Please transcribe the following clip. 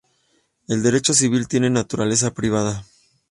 El derecho civil tiene naturaleza privada.